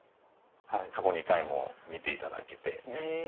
過去２回も見ていただけて。